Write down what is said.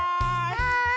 はい！